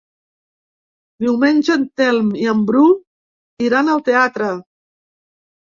Diumenge en Telm i en Bru iran al teatre.